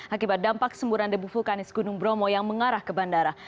akibat dampak semburan debu vulkanis gunung bromo yang mengarah ke bandara